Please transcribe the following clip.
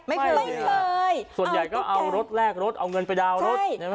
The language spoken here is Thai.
ไม่เคยส่วนใหญ่ก็เอารถแลกรถเอาเงินไปดาวรถใช่ไหม